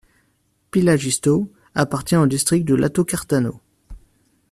Pihlajisto appartient au district de Latokartano.